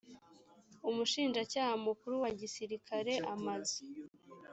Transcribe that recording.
umushinjacyaha mukuru wa gisirikare amaze